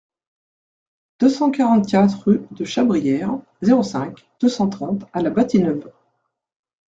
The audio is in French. deux cent quarante-quatre rue de Chabrière, zéro cinq, deux cent trente à La Bâtie-Neuve